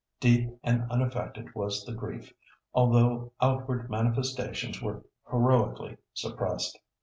Deep and unaffected was the grief, although outward manifestations were heroically suppressed.